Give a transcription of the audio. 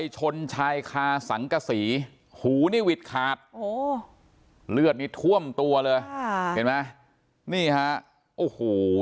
ชนชายคาสังกระสีหูขาดเหลือทว่ำทัวร์ได้กลัวห้อโห